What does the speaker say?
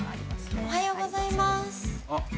おはようございます。